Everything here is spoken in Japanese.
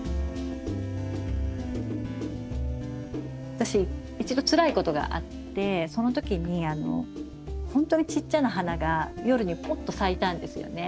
私一度つらいことがあってその時にほんとにちっちゃな花が夜にポッと咲いたんですよね。